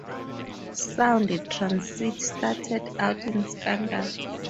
Sound Transit started out in scandal.